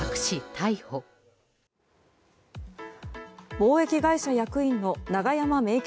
貿易会社役員の長山明吉